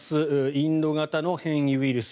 インド型の変異ウイルス。